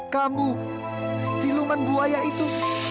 kamu siluman buaya itu